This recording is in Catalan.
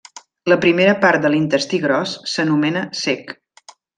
La primera part de l'intestí gros s'anomena cec.